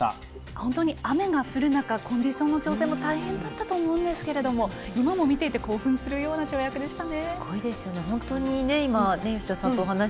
本当に雨が降る中コンディションの調整も大変だったと思うんですが今も見ていて、興奮するような跳躍でしたね。